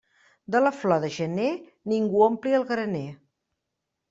De la flor de gener ningú ompli el graner.